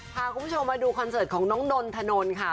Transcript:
พาคุณผู้ชมมาดูคอนเสิร์ตของน้องนนทนนท์ค่ะ